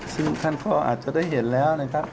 ซึ่งท่านก็อาจจะได้เห็นแล้วนะครับ